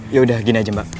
yaudah gini aja mbak